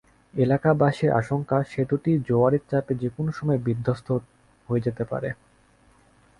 এলাকাবাসীর আশঙ্কা, সেতুটি জোয়ারের চাপে যেকোনো সময় বিধ্বস্ত হয়ে যেতে পারে।